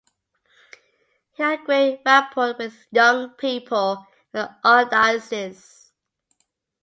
He had a great rapport with young people in the archdiocese.